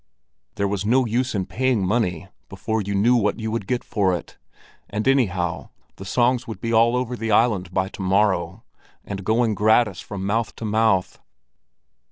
There was no use in paying money before you knew what you would get for it; and anyhow the songs would be all over the island by to morrow, and going gratis from mouth to mouth.